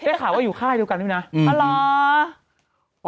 ได้ข่าวว่าอยู่ค่ายเดี๋ยวกันใช่ไหมนะ